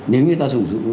nếu như ta sử dụng